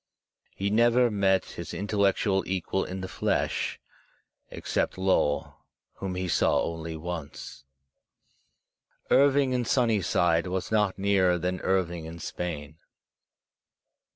He never met his intellectual equal in the flesh, except Lowell, whom he saw only once. Irving in Sunnyside was not nearer than Irving in Spain.